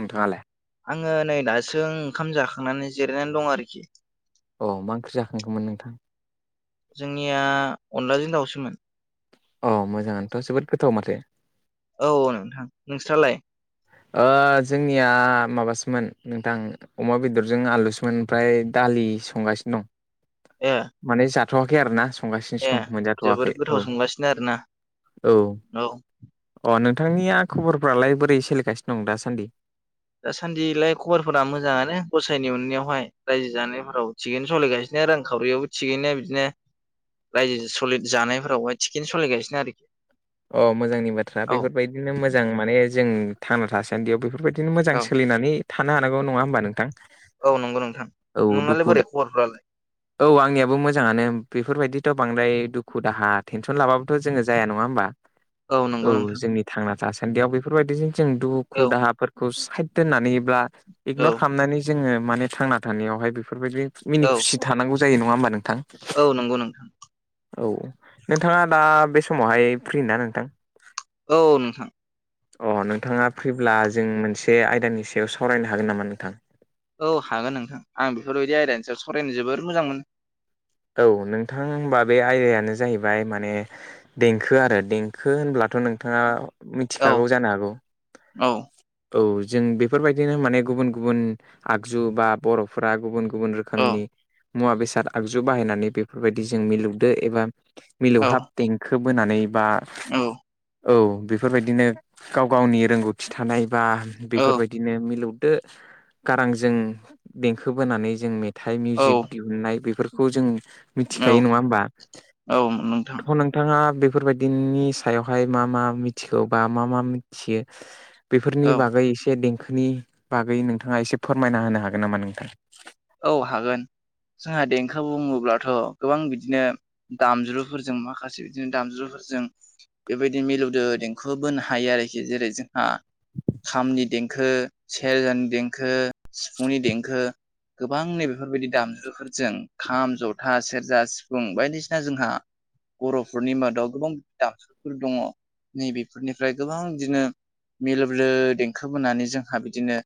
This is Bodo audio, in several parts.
नोंथाङालाय आङो नै दासो ओंखाम जाखांनानै जिरायनानै दं आरोखि अह मा ओंख्रि जाखांखोमोन नोंथां जोंनिया अनलाजों दाउसोमोन औ मोजाङानोथ' जोबोद गोथाव माथो। औ औ नोंथां नोंस्रालाय। ओ जोंनिया माबासोमोन नोंथां। अमा बेदरजों आलुसोमोन ओमफ्राय दालि संगासिनो दं। एह माने जाथ'वाखै आरो ना। संगासिनोसो दं जोबोर मोनजाथ'वाखै गोथाव औ संगासिनो आरोना औ। अ नोंथांनिया खबरफ्रालाय बोरै सोलिगासिनो दं दासान्दि दासान्दिलाय खबरफोरा मोजाङानो गसायनि अननायावहाय रायजो जानायफोराव। थिगैनो सलिायगासिनो रांखावरियावबो थिगैनो बिदिनो रायजो सलि जानायफोरावहाय थिगैनो सोलिगासिनो आरोखि अ मोजांनि बाथ्रा औ बेफोरबायदिनो मोजां माने जों थांना थासानोदियाव बेफोरबायदिनो मोजां औ सोलिनानै थानो हानांगौ नङा होमबा नोंथां औ नंगौ नोंथां औ दुखु नोंनालाय बोरै खबरफ्रालाय औ आंनियाबो मोजाङानो बेफोरबायदिथ' बांद्राय दुखु दाहा टेनसन लाबाबोथ' जोङो जाया नङा होमबा? औ नंगौ नोंथां जोंनि थांना थासान्दियाव बेफोरबायदिजों जों औ दुखु दाहाफोरखौ साइड दोननानै ब्ला औ इगनर खामनानै जोङो माने थांना थानायावहाय बेफोरबायदि मिनि औ खुसि थानांगौ जायो नङा होमबा नोंथां? औ नंगौ नोंथां औ नोंथाङा दा बे समावहाय फ्रि ना नोंथां? औ नोंथां अ नोंथाङा फ्रिब्ला जों मोनसे आयदानि सायाव सावरायनो हागोन नामा नोंथां? औ हागोन नोंथां आं बेफोरबायदि आयदानि सायाव सावरायनो जोबोर मोजां मोनो औ नोंथांबा बे आयदायानो जाहैबाय माने देंखो आरो देंखो होनब्लाथ' नोंथाङा औ मिथिखागौ जानो हागौ औ औ जों बेफोरबायदिनो माने गुबुन गुबुन आगजु बा बर'फोरा गुबुन गुबुन औ रोखोमनि मुवा बेसाद आगजु बाहायनानै बेफोरबायदि जों मिलुदो एबा औ मिलौहाब देंखो बोनानै बा औ औ बेफोरबायदिनो गाव गावनि रोंगौथि थानाय बा औ बेफोरबायदिनो मिलौ दो गारांजों देंखो बोनानै जों मेथाइ औ मिउजिक दिहुननाय बेफोर खौ जों मिथिखायो नङा होमबा औ नोंथां बेखौ नों थाङा बेफोरबायदिनि सायावहाय मा मा मिथिगौ बा मा मा मिथियो बेफोरनि औ बागै एसे देंखोनि बागै नोंथाङा एसे फोरमायना होनो हागोन नामा नोंथां? औ हागोन जोंहा देंखो बुङोब्लाथ' गोबां बिदिनो दामज्रुफोरजों माखासे बिदिनो दामज्रुफोरजों बेबायदि मिलौदो देंखो बोनो हायो आरोखि जेरै जोंहा खामनि देंखो सेरजानि देंखो सिफुंनि देंखो गोबां नै बेफोरबायदि दामजुफोरजों खाम जथा सेरजा सिफुं बायदिसिना जोंहा बर'फोरनि मादाव गोबां दामजुफोर दङ' नैबेफोरनिफ्राय गोबां बिदिनो मिलोबलो देंखो बोनानै जोंहा बिदिनो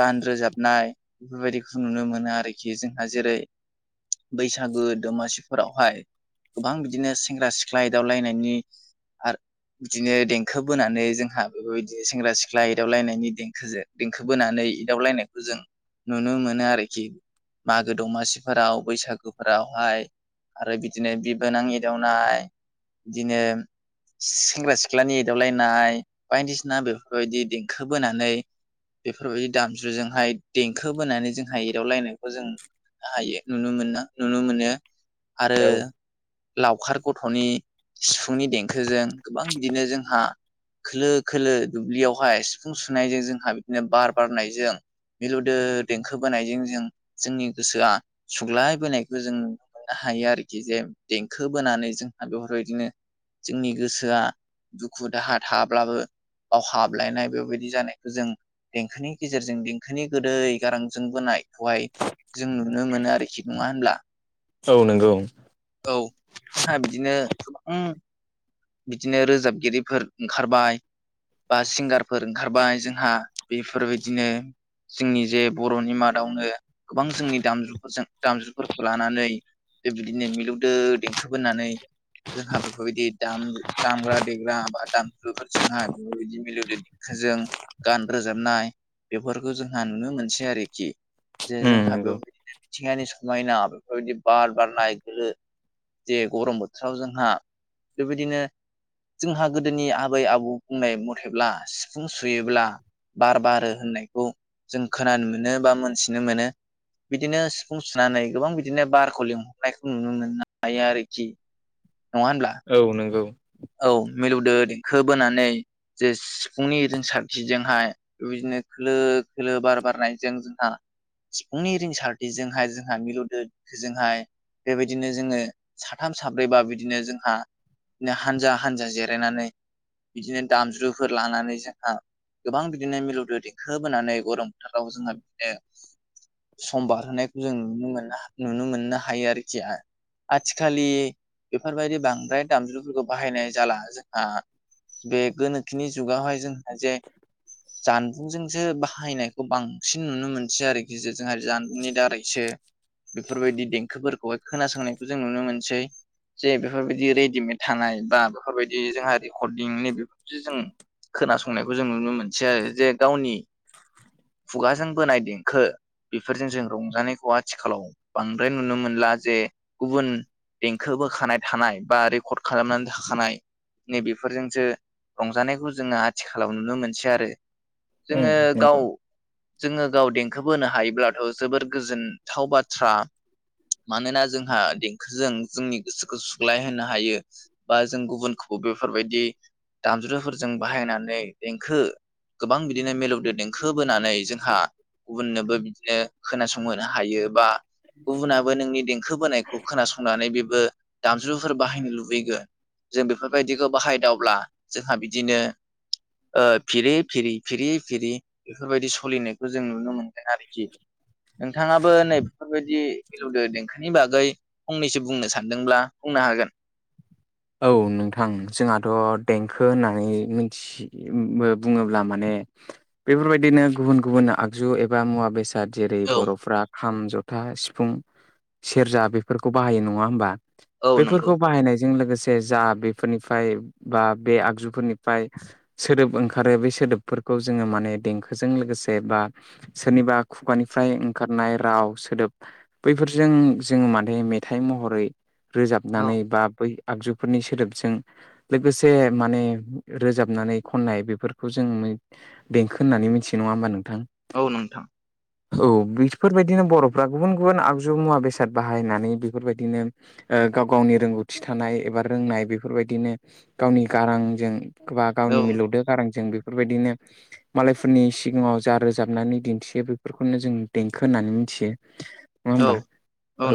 गान रोजाबनाय बेफोरबायदि खौ नुनो मोनो आरोखि जोंहा जेरै बैसागु दमासि फोरावहाय गोबां बिदिनो सेंग्रा सिखला एदावलायनायनि आर बिदिनो देंखो बोनानै जोंहा बेफोरबायदिनो सेंग्रा सिख्ला एदावलायनायनि देंखोजो देंखो बोनानै एदावलायनायखौ जों नुनो मोनो आरोखि मागो दमासि फोराव बैसागुफोरावहाय आरो बिदिनो बिबोनां एदावनाय बिदिनो सेंग्रा सिख्लानि एदावलायनाय बायदिसिना बेफोरबायदि देंखो बोनानै बेफोरबायदि दामजुजोंहाय देंखो बोनानै जों हायो एदावलायनायखौ जों हायो नुनो मोनना नुनो मोनो आरो लावखार गथ'नि सिफुंनि देंखोजों गोबां बिदिनो जोंहा खोलो खोलो दुब्लियावहाय सिफुं सुनायजों जोंहा बि बार बारनायजों मिलुदो देंखो बोनायजों जों जोंनि गोसोआ सुग्लायबोनायखौ जों नुनो हायो आरोखि जे देंखो बोनानै जोंहा बेफोरबायदिनो जोंनि गोसोआ दुखु दाहा थाब्लाबो बाव हाबलायनाय बेबायदि जानाय जों देंखोनि गेजेरजों देंखोनि गोदै गारां जों बोनायखौहाय जों नुनो मोनो आरोखि नङा होनब्ला औ नंगौ औ जोंहा बिदिनो गोबां बिदिनो रोजाबगिरिफोर ओंखारबाय बा सिंगारफोर ओंखारबाय जोंहा बेफोरबायदिनो जोंनि जे बर'नि मादावनो गोबां जोंनि दामजुफोरजों दामजुफोरखौ लानानै बे बिदिनो मिलौदो देंखो बोनानै जोंहा बेफोरबायदि दाम-दामग्रा देग्रा बा दामजुफोरजोंहाय बेफोरबायदि मिलुद देंखोजों गान रोजाबनाय बेफोरखौ जोंहा नुनो मोनसै आरोखि। जे उम जोंहाबो नंगौ बेफोरबायदिनो मिथिंगानि समायना बेफोरबायदि बार बारनाय गोलो जे गरम बोथोराव जोंहा बेबायदिनो जोंहा गोदोनि आबै आबौ बुंनाय मथेब्ला सि फुं सुयोब्ला बार बारो होननायखौ जों खोनानो मोनो बा मोनथिनो मोनो। बिदिनो सिफुं सुनानै गोबां बिदिनो बारखौ लिंहरनायखौ नुनो मोन [unintelligible] हायो आरोखि। जि नङा होनब्ला? औ नोंगौ। औ मिलौदो देंखो बोनानै जे सिफुंनि रोंसारथिजोंहाय बेबायदिनो खोलो खोलो बार बारनायजों जोंहा सिफुंनि रिंसारथिजोंहाय जोंहा मिलौदो देंखोजोंहाय बेबायदिनो जोङो साथाम साब्रैबा बिदिनो जोंहा हानजा हानजा जिरायनानै बिदिनो दामज्रुफोर लानानै जोंहा गोबां बिदिनो मिलौदो देंखो बोनानै गरम बोथाराव जोहा बिदिनो सम बारहोनायखौ जों नुनो मोन नुनो मोननो हायो आरोखि आथिखालि बेफोरबायदि बांद्राय दामजुफोरखौ बाहायनाय जाला जोंहा बे गोनोखिनि जुगावहाय जोंहा जे जानबुंजोंसो बाहायनायखौ बां सिन नुनो मोनसै आरोखि जे जोंहा जामबुंनि दारैसो बेफोरबायदि देंखोफोरखौहाय खोनासंनायखौ जों नुनो मोनसै। जे बेफोरबायदि रेडिमेड थानाय बा बेफोरबायदि जोंहा रेकर्डिं नैबेफोरफोरखौसो जों। खोनासंनायखौ जों नुनो मोनसै आरो जे गावनि। खुगाजों बोनाय देंखो। बेफोरजों जों रंजानायखौ आथिखालाव बांद्राय नुनो मोनला जे गुबुन देंखो बोखानाय थानाय बा रेकर्ड खालामनानै था थाखानाय नैबेफोरजोंसो रंजानायखौ जोङो आथिखालाव नुनो मोनसै आरो। उम जोङो नंगौ गाव जोङो गाव देंखो बोनो हायोब्लाथ' जोबोर गोजोनथाव बाथ्रा। मानोना जोंहा देंखोजों जोंनि गोसोखौ सुग्लाय होनो हायो। बा जों गुबुनखौबो बेफोरबायदि दामज्रुफोरजों बाहायनानै देंखो गोबां बिदिनो मिलौदो देंखो बोनानै जोंहा गुबुननोबो बिदिनो खोनासंहोनो हायो बा गुबुनाबो नोंनि दें खो बोनायखौ खोनासंनानै बेबो दामजुफोर बाहायनो लुबैगोन। जों बेफोरबायदिखौ बाहायदावब्ला जोंहा बिदिनो ओ फिरि फिरि फिरि फिरि बेफोरबायदि सलिनायखौ जों नुनो मोनो। आरोखि। नोंथाङाबो नैबेफोरबायदि मिलौदो देंखोनि बागै फंनैसो बुंनो सानदोंब्ला बुंनो हागोन। औ नोंथां जोंहाथ' देंखो होननानै मिन्थि बुङोब्ला माने बेफोरबायदिनो गुबुन गुबुन आगजु एबा मुवा बेसाद दा जेरै औ बर'फ्रा खाम, जथा, सिफुं, सेरजा बेफोरखौ बाहायो नङा होमबा। औ नंगौ बेफोरखौ बाहायनायजों लोगो सेे जा बेफोरनिफ्राय बा बे आगजुफोरनिफ्राय सोदोब ओंखारो बे सोदोबफोरखौ जोङो माने देंखोजों लोगोसे बा सोरनिबा खुगानिफ्राय ओंखारनाय राव सोदोब बैफोरजों जोङो माने मेथाइ महरै औ रोजाबनानै बा बै आगजुफोरनि सोदोबजों लोगोसे माने रोजाबनानै खननाय बेफोरखौ जों देंखो होनना‌ मिन्थियो नङा होमबा नोंथां। औ नोंथां। औ बेफोरबायदिनो बर'फ्रा गुबुन गुबुन आगजु मुवा बेसाद बाहायनानै बेफोरबायदिनो। ओ गाव गावनि रोंगौथि थानाय एबा रोंनाय बेफोरबायदिनो गावनि गारांजों औ गावनि मिलौदो गारांजों बे। बेफोरबायदिनो। मालायफोरनि सिगाङाव जा रोजाबनानै दिन्थियो बेफोरखौनो जों देंखो होननानै मिथियो। ए नङा होमबा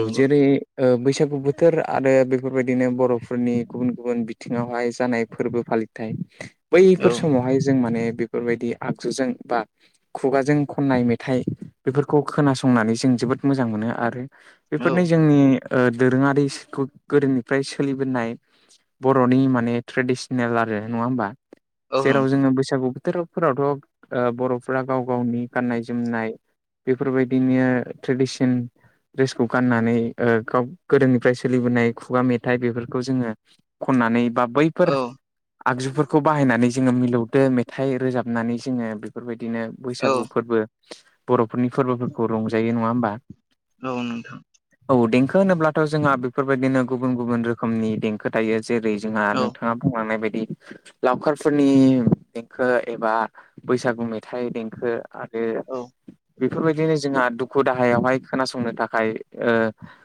औ जेरै बैसागु बोथोर आरो बेफोर। बेफोरबायदिनो बर'फोरनि गुबुन गुबुन बिथिङावहाय जानाय फोरबो फालिथाय। औ बैफोर समावहाय जों माने बेफोरबायदि आगजुजों बा। खुगाजों खननाय मेथाइ बेफोरखौ खोनासंनानै जों जोबोद मोजां मोनो आरो। औ बेफोरनि जोंनि दोरोङारिखौ। गोदोनिफ्राय सोलिबोनाय बर'नि माने ट्रेडिसनेल आरो नङा होमबा। औ जेराव नोंथां जोङो बैसागु बोथोराव। फोरावथ' बर'फोरा गाव गावनि गाननाय जोमनाय। बेफोरबायदिनिया ट्रेडिसन। ड्रेसखौ गाननानै गाव गोदोनिफ्राय सोलिबोनाय। खुगा मेथाइ बेफोरखौ जोङो खननानै बा बैफोर। औ आगजुफोरखौ बाहायनानै जोङो मिलौदो मेथाइ रोजाबनानै जोङो बेफोरबायदिनो। औ बैसागु फोरबो बर'फोरनि फोरबोफोरखौ रंजायो नङा होमबा। औ नोंथां। औ देंखो होनोब्लाथ' जोंहा बेफोरबायदिनो गुबुन गुबुन रोखोमनि देंखो खोथायो जेरै जोंहा औ नोंथाङा बुंलांनाय बायदि लावखारफोरनि देंखो एबा बैसागु मेथाइ देंखो आदो औ बेफोरबायदिनो जोंहा दुख दुखु दाहायावहाय खोनासंनो थाखाय ओ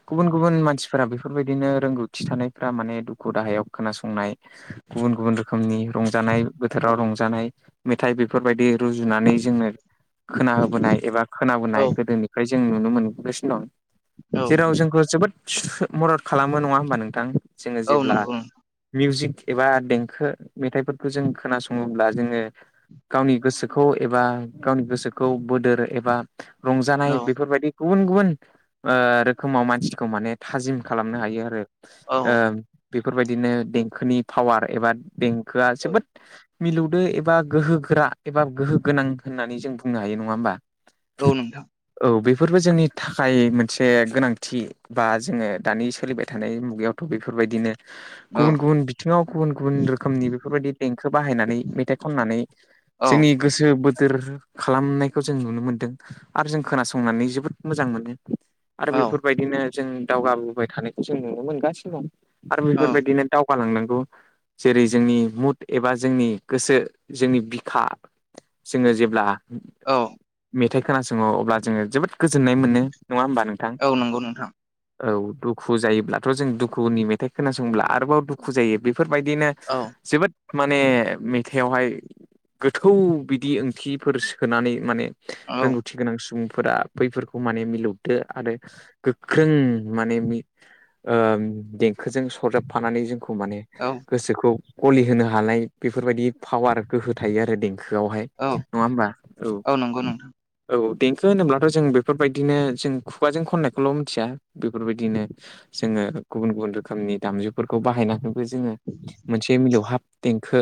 गुबुन गुबुन मानसिफोरा बेफोरबायदि बिदिनो रोंगौथि थानायफ्रा माने दुखु दाहायाव खोनासंनाय गुबुन गुबुन रोखोमनि रंजानाय बोथोराव रंजानाय मेथाइ बेफोरबायदि रुजुनानै जोंनो खोन होबोनाय एबा औ खोनोनाय गोदोनिफ्राय जों नुनो मोनगासिनो दं औ जेराव जोंखौ जोबोद मदद खालामो नङा होमबा नोंथां जोङो औ जेब्ला नंगौ मिउजिक एबा देंखो मेथाइफोरखौ जों खोनासङोब्ला जोङो गावनि गोसोखौ एबा गावनि गोसोखौ बोदोर एबा रंजानाय औ बेफोरबायदि गुबुन गुबुन ओ रोखोमाव मानसिखौ माने थाजिम खालामनो हायो आरो औ ओ बेफोरबायदिनो देंखोनि पावार एबा देंखो आ औ जोबोद मिलौदो एबा गोहोगोरा एबा गोहो गोनां होननानै जों बुंनो हायो नङा होमबा औ नोंथां औ बेफोरबो जोंनि थाखाय मोनसे गोनांथि बा जोङो दानि सोलिबाय थानाय मुगायावथ' बेफोरबायदिनो औ गुबुन गुबुन बिथिङाव गुबुन गुबुन रोखोमनि बेफोरबायदि देंखो बाहायनानै मेथाइ खननानै औ जोंनि गोसो बोथोर खालामनायखौ जों नुनो मोन्दों आरो जों खोनासंनानै जोबोद मोजां मोनो आरो औ बेफोरबायदिनो जों दावगाबोबाय थानायखौ जों नुनो मोनगासिनो दं आरो औ बेफोरबायदिनो दावगालांनांगौ जेरै जोंनि मुद एबा जोंनि गोसो जोंनि बिखा जोङो जेब्ला मेथाइ खोनासङो अब्ला जोङो जोबोद गोजोननाय मोनो नङा होमबा नों औ नंगौ नोंथां औ दुखु जायोब्लाथ' जों दुखुनि मेथाइ खोनासंब्ला आरोबाव दुखु जायो बेफोरबायदिनो औ जोबोद माने मेथाइावहाय गोथौ बिदि ओंथिफोर सोनानै माने औ रोंगौथि गोनां सुबुंफोरा बैफोरखौ माने मिलौदो आरो गोख्रों माने ओ देंखोजों सरजाबफानानै जोंखौ माने औ गोसोखौ गलि होनो हानाय बेफोरबायदि पावार गोहो थायो आरो देंखोआवहाय औ नङा होमबा नंगौ नोंथां औ औ देंखो होनोब्लाथ' जों बेफोरबायदिनो जों खुगाजों खननायखौल' मिथिया बेफोरबायदिनो जोङो गुबुन गुबुन रोखोमनि दामजु फोरखौ बाहायनानैबो जोङो मोनसे मिलौहाब देंखो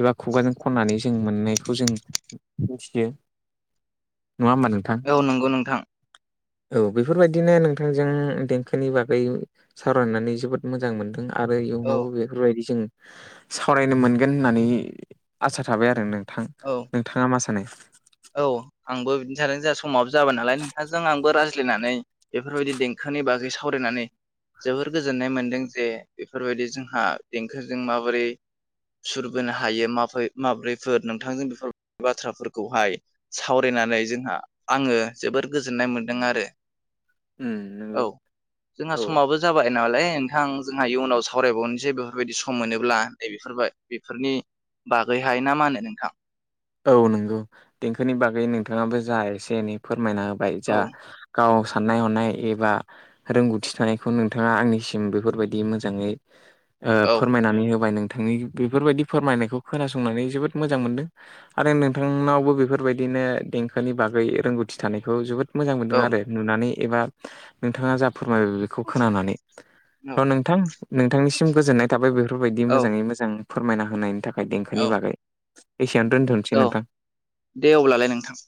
एबा खुगाजों खननानै जों मोननायखौ जों मिथियो नङा होमब नों औ नंगौ नोंथां औ बेफोरबायदिनो नोंथांजों देंखोनि बागै सावरायनानै जोबोद मोजां मोनदों आरो औ इयुनावबो बेफोरबायदि जों सावरायनो मोनगोन होननानै आसा थाबाय आरो नों थां औ नोंथाङा मा सानो? औ आंबो बिदिनो थ जोंहा समाबो जाबाय नालाय नोंथांजों आंबो रायज्लायनानै बेफोरबायदि देंखोनि बागै सावरायनानै जोबोर गोजोननाय मोन्दों जे बेफोरबायदि जोंहा देंखोजों माबोरै सुरबोनो हायो म माब्रैफोर नोंथांजों बेफोर बाथ्राफोरखौहाय सावरायनानै जोंहा आङो जोबोर गोजोननाय मोनदों आरो उम औ नंगौ जोंहा औ समाबो ज जाबाय नामालाय नोंथां जोंहा इयुनाव सावरायबावनोसै बेफोरबायदि सम मोनोब्ला नै बेफोरबाय बेफोरनि बागैहाय ना मा होनो नोंथां? औ नंगौ देंखोनि बागै नोंथाङाबो जा एसे एनै फोरमायना होबाय औ जा गाव साननाय हनाय एबा रोंगौथि थानायखौ नोंथाङा आंनिसिम बेफोरबायदि मोजाङै ओ औ फोरमायनानै होबाय नोंथांनि बेफोरबायदि फोरमायनायखौ खोनासंनानै जोबोद मोजां मोनदों आरो नोंथांनावबो बेफोरबायदिनो देंखोनि बागै रोंगौथि थानायखौ जोबोद मोजां औ मोनदों आरो नुनानै एबा नोंथाङा जा फोरमायबाय बेखौ खोनानानै औ र' नोंथां नोंथांनिसिम गोजोननाय थाबाय बेफोरबायदि औ मोजाङै मोजां फोरमायना होनायनि थाखाय देंखोनि औ बागै एसियान [unintelligible] औ दे अब्लालाय नोंथां